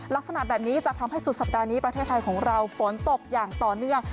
ลักษณะแบบนี้จะทำให้สุดสัปดาห์นี้ประเทศไทยของเราฝนตกอย่างต่อเนื่อง